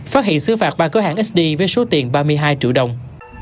phát hiện xứ phạt ba cửa hàng sd với số tiền ba mươi hai triệu đồng